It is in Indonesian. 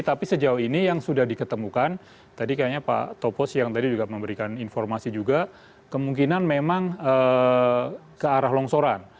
tapi sejauh ini yang sudah diketemukan tadi kayaknya pak topos yang tadi juga memberikan informasi juga kemungkinan memang ke arah longsoran